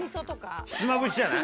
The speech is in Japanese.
ひつまぶしじゃない？